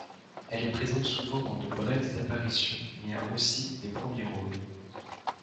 Il est présente souvent dans de brèves apparitions mais a aussi des premiers rôles.